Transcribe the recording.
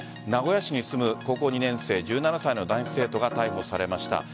名古屋市に住む高校２年生、１７歳の男子生徒が逮捕されました。